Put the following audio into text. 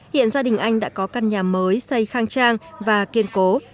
hiện gia đình anh đã có căn nhà mới xây khang trang và kiên cố